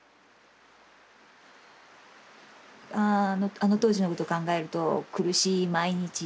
あの当時のこと考えると苦しい毎日でしたね